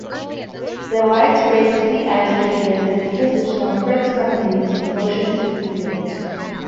The widespread sea ice prevents the deposition of fresh carbonates in ocean sediment.